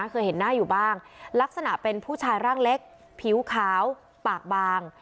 เคยเห็นหน้าอยู่บ้างลักษณะเป็นผู้ชายร่างเล็กผิวขาวปากบาง